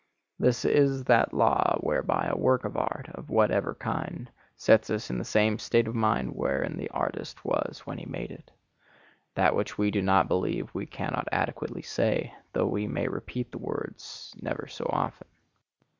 This is that law whereby a work of art, of whatever kind, sets us in the same state of mind wherein the artist was when he made it. That which we do not believe we cannot adequately say, though we may repeat the words never so often.